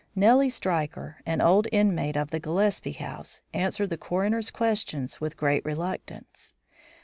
Nellie Stryker, an old inmate of the Gillespie house, answered the coroner's questions with great reluctance.